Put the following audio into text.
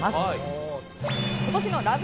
今年のラブ！！